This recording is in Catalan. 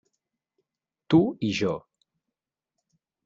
Tu i jo.